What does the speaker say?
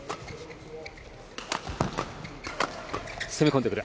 攻め込んでくる。